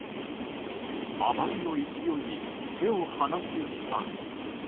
あまりの勢いに手を放してしまう。